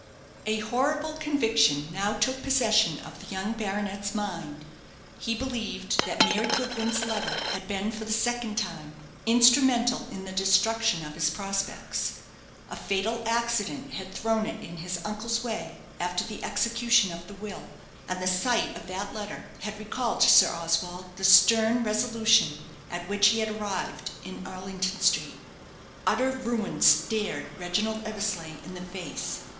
A horrible conviction now took possession of the young baronet's mind. He believed that Mary Goodwin's letter had been for the second time instrumental in the destruction of his prospects. A fatal accident had thrown it in his uncle's way after the execution of the will, and the sight of that letter had recalled to Sir Oswald the stern resolution at which he had arrived in Arlington Street. Utter ruin stared Reginald Eversleigh in the face.